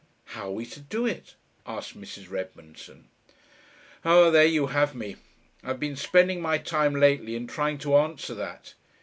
"How are we to do it?" asked Mrs. Redmondson. "Oh, there you have me! I've been spending my time lately in trying to answer that!